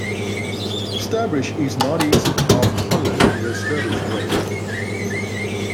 Sturbridge is northeast of Holland via Sturbridge Road.